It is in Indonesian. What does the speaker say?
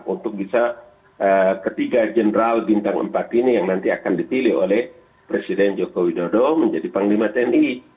untuk bisa ketiga general bintang empat ini yang nanti akan dipilih oleh presiden joko widodo menjadi panglima tni